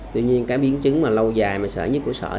tuy nhiên cái biến chứng mà lâu dài mà sởi nhất của sởi